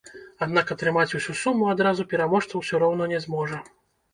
Аднак атрымаць усю суму адразу пераможца ўсё роўна не зможа.